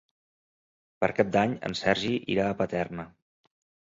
Per Cap d'Any en Sergi irà a Paterna.